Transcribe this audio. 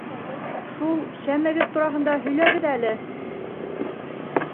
Шул шәмегеҙ тураһында һөйләгеҙ әле...